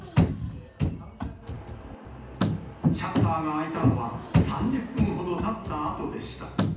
シャッターが開いたのは、３０分ほどたったあとでした。